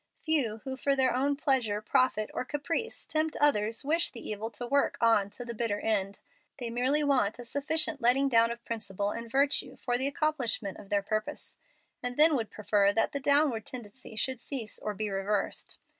Few who for their own pleasure, profit, or caprice tempt others wish the evil to work on to the bitter end. They merely want a sufficient letting down of principle and virtue for the accomplishment of their purpose, and then would prefer that the downward tendency should cease or be reversed.